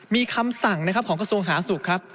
มีคำสั่งนะครับของกระทรวงสาธารณสุขครับ